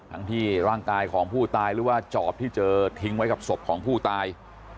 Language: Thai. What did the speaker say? ทั้งที่ร่างกายของผู้ตายหรือว่าจอบที่เจอทิ้งไว้กับศพของผู้ตาย